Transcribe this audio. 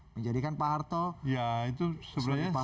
menjadikan pak soeharto sebagai pahlawan